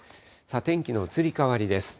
天気の移り変わりです。